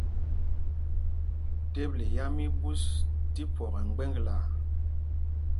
Teble yám í í ɓūs tí phwɔk ɛ mgbeŋglaa.